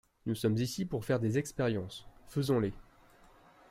Nous sommes ici pour faire des expériences, faisons-les.